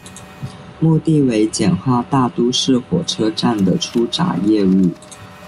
目的为简化大都市火车站的出闸业务。